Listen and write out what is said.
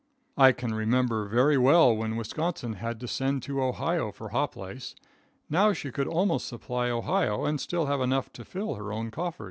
I can remember very well when Wisconsin had to send to Ohio for hop lice. Now she could almost supply Ohio and still have enough to fill her own coffers.